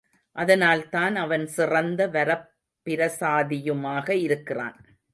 அதனால்தான் அவன் சிறந்த வரப்பிரசாதியுமாக இருக்கிறான்.